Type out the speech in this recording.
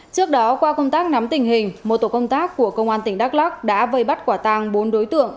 trước đó qua công tác nắm tình hình một tổ công tác của công an tỉnh đắk lắc đã vây bắt quả tàng bốn đối tượng